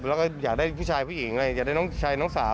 แล้วก็อยากได้ผู้ชายผู้หญิงอยากได้น้องชายน้องสาว